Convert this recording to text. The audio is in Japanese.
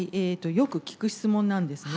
よく聞く質問なんですね。